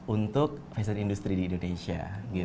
untuk fashion industry di indonesia